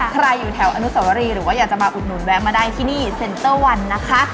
อยู่แถวอนุสวรีหรือว่าอยากจะมาอุดหนุนแวะมาได้ที่นี่เซ็นเตอร์วันนะคะ